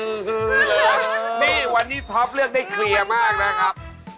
นี่วันนี้ท็อปเลือกได้เคลียร์มากนะครับ